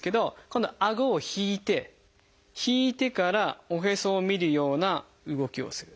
今度はあごを引いて引いてからおへそを見るような動きをする。